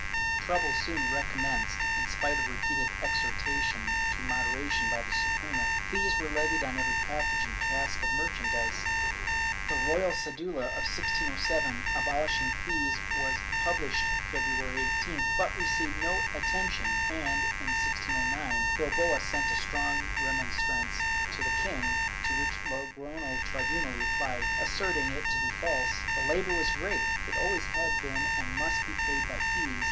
Trouble soon recommenced; in spite of repeated exhortation to moderation by the Suprema, fees were levied on every package and cask of merchandise. The royal cedula of 1607 abolishing fees was published February 18th, but received no attention and, in 1609, Bilbao sent a strong remonstrance to the king, to which the Logrofio tribunal rephed, asserting it to be false; the labor was great; it always had been and must be paid by fees, which ' Archive de Simancas, Inq.